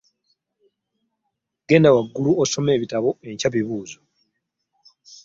Genda waggulu osome ebitabo enkya bibuuzo.